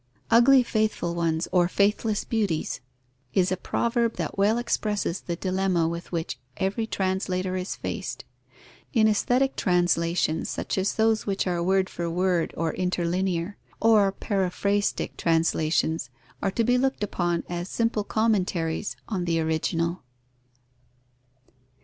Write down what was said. "Ugly faithful ones or faithless beauties" is a proverb that well expresses the dilemma with which every translator is faced. In aesthetic translations, such as those which are word for word or interlinear, or paraphrastic translations, are to be looked upon as simple commentaries on the original.